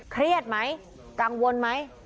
เครียดไหมกังวลไหม